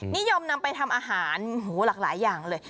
นิยมนำไปทำอาหารหลากหลายอย่างเลย